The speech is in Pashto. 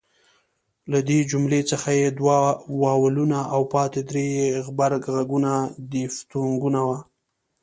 له دې جملې څخه ئې دوه واولونه او پاته درې ئې غبرګ ږغونه دیفتونګونه